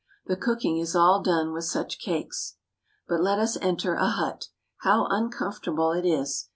The cooking is all done with such cakes. But let us enter a hut! How uncomfortable it is!